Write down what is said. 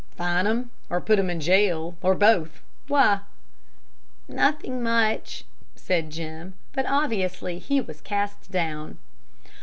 "Fine 'em, or put 'em in jail, or both. Why?" "Nothing much," said Jim, but obviously he was cast down.